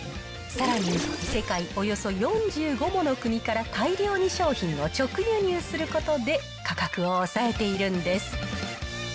さらに、世界およそ４５もの国から大量に商品を直輸入することで、価格を抑えているんです。